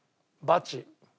バチ？